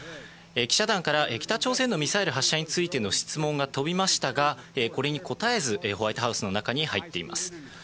記者団から北朝鮮のミサイル発射についての質問が飛びましたが、これに答えず、ホワイトハウスの中に入っています。